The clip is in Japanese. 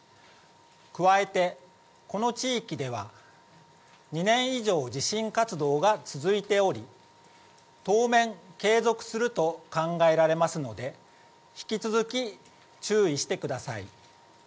加えて、この地域では２年以上、地震活動が続いており、当面、継続すると考えられますので、引き続き注意してください。